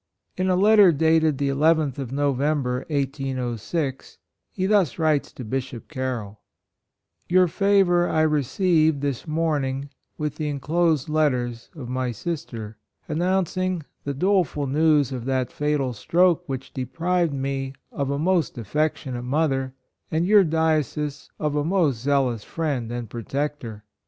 In a letter dated the 11th of November, 1806, he thus writes to Bishop Carroll :'' Your favor I received this morning, with the enclosed letters of my sister, announcing the dole ful news of that fatal stroke which deprived me of a most affectionate mother and your diocese of a most zealous friend and protector.